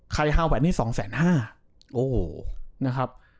ใครฮาวแหวะเนี่ย๒๕๐๐๐๐นะครับ